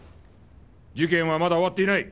事件はまだ終わっていない。